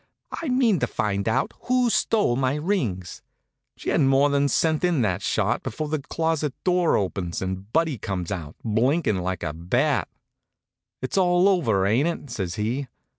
"I mean to find out who stole my rings." She hadn't more than sent in that shot before the closet door opens, and Buddy comes out, blinkin' like a bat. "It's all over, ain't it?" says he.